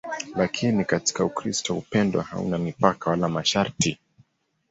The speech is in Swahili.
Lakini katika Ukristo upendo hauna mipaka wala masharti.